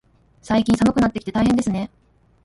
最近、寒くなってきて大変ですね。